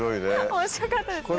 面白かったですね。